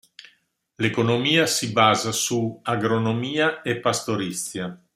L'economia si basa su agronomia e pastorizia.